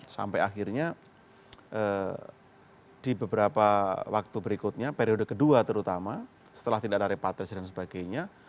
sampai akhirnya di beberapa waktu berikutnya periode kedua terutama setelah tidak ada repatriasi dan sebagainya